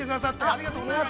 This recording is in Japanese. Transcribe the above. ありがとうございます。